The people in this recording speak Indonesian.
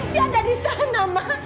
dia ada di sana mak